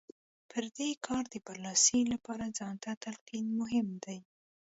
پر دې کار د برلاسۍ لپاره ځان ته تلقين مهم دی.